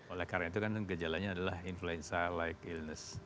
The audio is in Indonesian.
oleh karena itu kan gejalanya adalah influenza like ilness